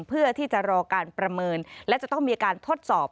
เพื่อที่จะรอการประเมินและจะต้องมีการทดสอบ